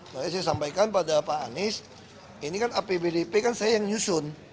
makanya saya sampaikan pada pak anies ini kan apbdp kan saya yang nyusun